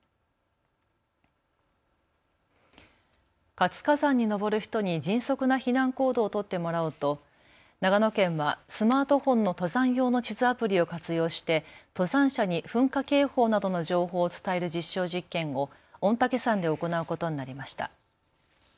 活火山に登る人に迅速な避難行動を取ってもらおうと長野県はスマートフォンの登山用の地図アプリを活用して登山者に噴火警報などの情報を伝える実証実験を御嶽山で行うことになりました。